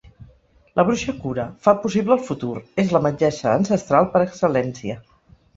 La bruixa cura, fa possible el futur, és la metgessa ancestral per excel·lència.